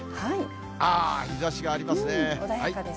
ああ、日ざしがありますね。